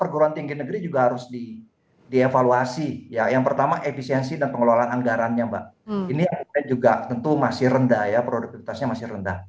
oke yang ketiga yang ketiga sebenarnya juga kita perguruan tinggi negeri juga harus di evaluasi ya yang pertama efisiensi dan pengelolaan anggarannya mbak ini juga tentu masih rendah ya produktivitasnya masih rendah